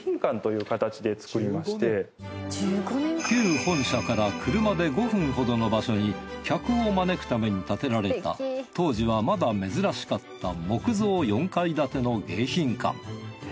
旧本社から車で５分ほどの場所に客を招くために建てられた当時はまだ珍しかった木造４階建ての迎賓館。